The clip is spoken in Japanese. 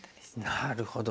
なるほど。